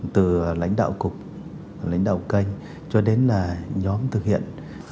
từ lãnh đạo cục lãnh đạo kênh cho đến là nhóm thực hiện